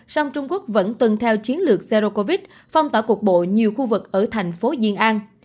song trung quốc vẫn tuân theo chiến lược zero covid phong tỏa cuộc bộ nhiều khu vực ở thành phố diên an